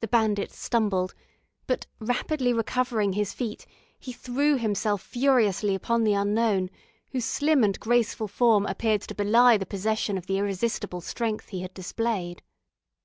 The bandit stumbled; but, rapidly recovering his feet, he threw himself furiously upon the unknown, whose slim and graceful form appeared to belie the possession of the irresistible strength he had displayed.